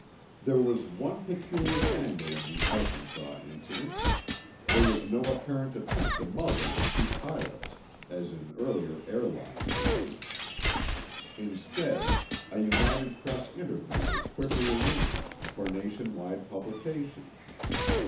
There was one peculiar angle in the Arkansas incident. There was no apparent attempt to muzzle the two pilots, as in earlier airline cases. Instead, a United Press interview was quickly arranged, for nation wide publication.